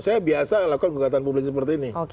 saya biasa lakukan gugatan publik seperti ini